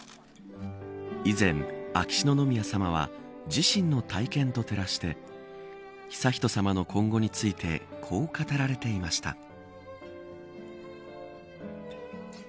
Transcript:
以前、秋篠宮さまは自身の体験と照らして悠仁さまの今後についてこう語られていました。